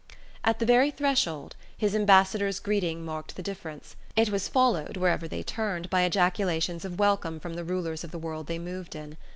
At the very threshold, his Ambassador's greeting marked the difference: it was followed, wherever they turned, by ejaculations of welcome from the rulers of the world they moved in.